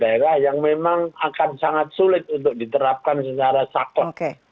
daerah yang memang akan sangat sulit untuk diterapkan secara sakot